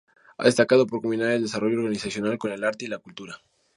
Ha destacado por combinar el desarrollo organizacional con el arte y la cultura.